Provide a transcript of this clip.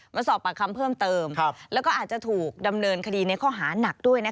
มาสอบปากคำเพิ่มเติมแล้วก็อาจจะถูกดำเนินคดีในข้อหานักด้วย